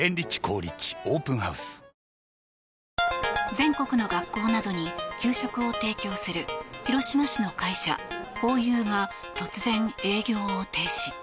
全国の学校などに給食を提供する広島市の会社、ホーユーが突然、営業を停止。